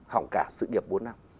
họng cả sự nghiệp bốn năm